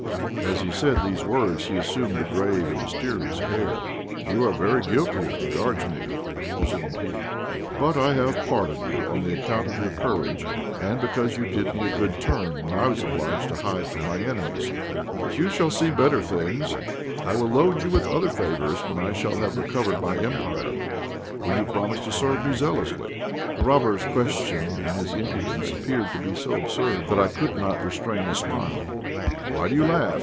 As he said these words he assumed a grave and mysterious air. "You are very guilty as regards me," resumed he, "but I have pardoned you on account of your courage, and because you did me a good turn when I was obliged to hide from my enemies. But you shall see better things; I will load you with other favours when I shall have recovered my empire. Will you promise to serve me zealously?" The robber's question and his impudence appeared to be so absurd that I could not restrain a smile. "Why do you laugh?"